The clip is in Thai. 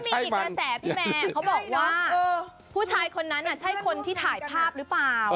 พี่แม่เขาบอกว่าผู้ชายคนนั้นใช่คนที่ถ่ายภาพหรือเปล่า